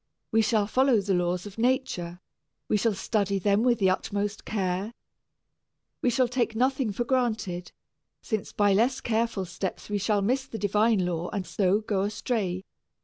We shall follow the laws of nature. We shall study them with the utmost care. We shall take nothing for granted, since by less careful steps we shall miss the divine law and so go astray.